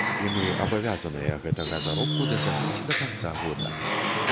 І мы абавязаныя гэтага заробку дасягнуць да канца года.